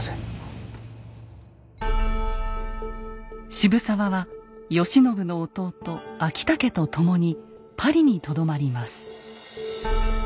渋沢は慶喜の弟・昭武と共にパリにとどまります。